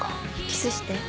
キスして。